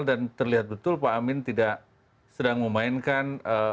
dan terlihat betul pak amin tidak sedang memainkan